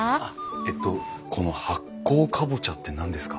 えとこの発酵カボチャって何ですか？